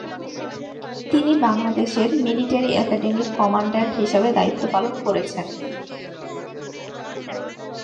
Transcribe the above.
তিনি বাংলাদেশ মিলিটারি একাডেমির কমান্ড্যান্ট হিসাবে দায়িত্ব পালন করেছেন।